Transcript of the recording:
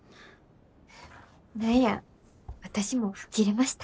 何や私も吹っ切れました。